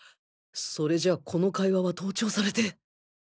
それじゃあこの会話は盗聴されて